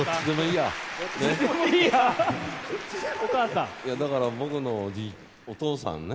いやだから僕のお父さんね。